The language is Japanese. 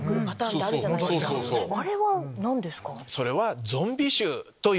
あれは何ですか？